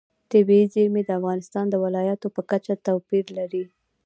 طبیعي زیرمې د افغانستان د ولایاتو په کچه توپیر لري.